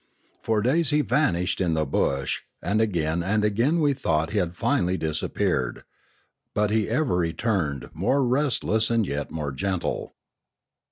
For days he vanished in the bush, and again and again we thought he had finally disap peared. But he ever returned, more restless and yet more gentle.